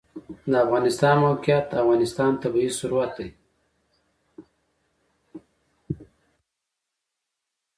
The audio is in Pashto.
د افغانستان د موقعیت د افغانستان طبعي ثروت دی.